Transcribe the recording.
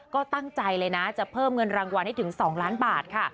ก็ตั้งใจเลยนะจะเพิ่มเงินรางวัลให้ถึง๒ล้านบาทค่ะ